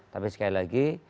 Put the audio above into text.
tapi sekali lagi